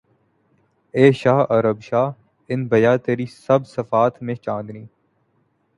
اے شہ عرب شہ انبیاء تیری سب صفات میں چاندنی